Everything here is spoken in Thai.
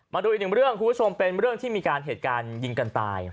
มาดูอีกหนึ่งเรื่องคุณผู้ชมเป็นเรื่องที่มีการเหตุการณ์ยิงกันตาย